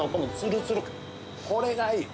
これがいい。